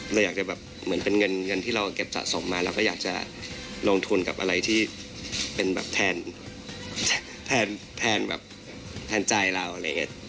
เราอยากจะแบบเหมือนเป็นเงินที่เราเก็บสะสมมาเราก็อยากจะลงทุนกับอะไรที่เป็นแบบแทนแบบแทนใจเราอะไรอย่างนี้